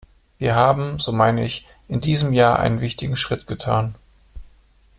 Wir haben, so meine ich, in diesem Jahr einen wichtigen Schritt getan.